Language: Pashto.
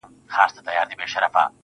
خندا چي تاته در پرې ايښې په ژرا مئين يم~